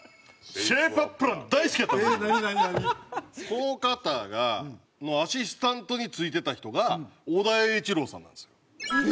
この方のアシスタントについてた人が尾田栄一郎さんなんですよ。えっ？